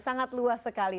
sangat luas sekali